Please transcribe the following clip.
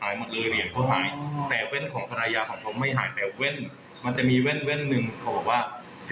หมดเลยเหรียญเขาหายแต่แว่นของภรรยาของเขาไม่หายแต่แว่นมันจะมีแว่นหนึ่งเขาบอกว่า